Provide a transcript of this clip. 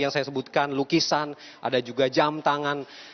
yang saya sebutkan lukisan ada juga jam tangan